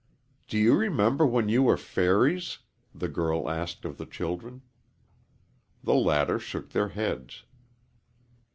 "Do you remember when you were fairies?" the girl asked of the children. The latter shook their heads.